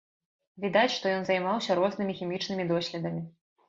Відаць, што ён займаўся рознымі хімічнымі доследамі.